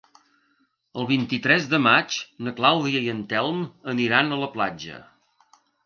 El vint-i-tres de maig na Clàudia i en Telm aniran a la platja.